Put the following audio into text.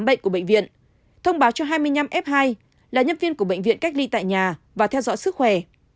bệnh viện đa khoa cuộc sống đã thông báo cho hai mươi năm f hai là nhân viên của bệnh viện cách ly tại nhà và theo dõi sức khỏe